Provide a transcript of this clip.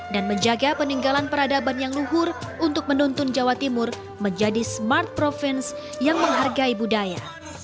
dan menjaga peninggalan peradaban yang luhur untuk menuntun jawa timur menjadi smart province yang menghargai budaya